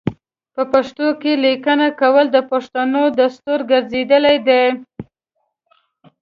په پښتو کې لیکنه کول د پښتنو دستور ګرځیدلی دی.